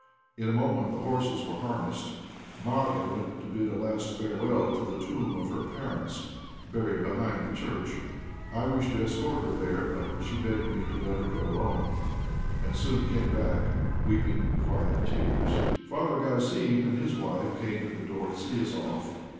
In a moment the horses were harnessed. Marya went to bid a last farewell to the tomb of her parents, buried behind the church. I wished to escort her there, but she begged me to let her go alone, and soon came back, weeping quiet tears. Father Garasim and his wife came to the door to see us off.